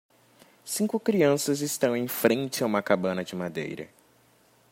Cinco crianças estão em frente a uma cabana de madeira.